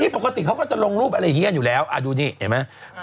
ปกติเขาก็จะลงรูปอะไรอย่างนี้กันอยู่แล้วดูนี่เห็นไหม